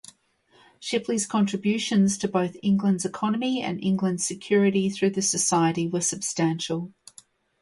Shipley's contributions to both England's economy and England's security through the Society were substantial.